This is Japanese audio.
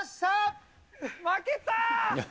負けたー！